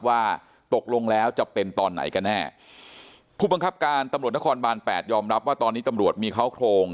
ว่าตกลงแล้วจะเป็นตอนไหนกันแน่ผู้บังคับการตำรวจนครบานแปดยอมรับว่าตอนนี้ตำรวจมีเขาโครง